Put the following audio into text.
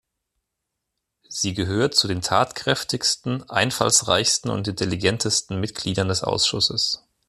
Sie gehört zu den tatkräftigsten, einfallsreichsten und intelligentesten Mitgliedern des Ausschusses.